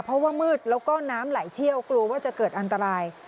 เพราะว่ามืดแล้วก็น้ำไหลเชี่ยวกลัวว่าจะเกิดอันตราย